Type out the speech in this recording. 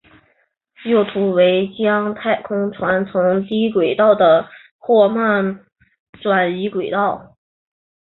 右图为将太空船从低轨道的霍曼转移轨道。